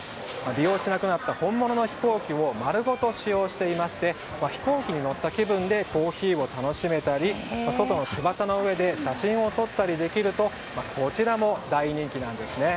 利用しなくなった本物の飛行機を丸ごと利用していまして飛行機に乗った気分でコーヒーを楽しめたり外の翼の上で写真を撮ったりできるとこちらも大人気なんですね。